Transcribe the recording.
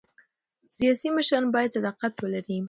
سیاسي مشران باید صداقت ولري